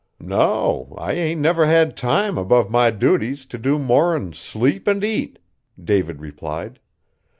"No. I ain't never had time, above my duties, to do more'n sleep an' eat," David replied.